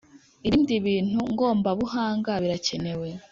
ibindi bintu ngombabuhanga birakenewe